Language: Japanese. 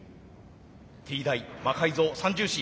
Ｔ大魔改造三銃士。